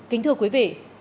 kính thưa quý vị